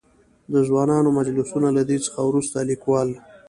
د ځوانانو مجلسونه؛ له دې څخه ورورسته ليکوال.